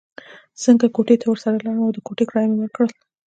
څنګ کوټې ته ورسره ولاړم او د کوټې کرایه مې ورکړل.